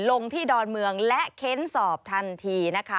ลงที่ดอนเมืองและเค้นสอบทันทีนะคะ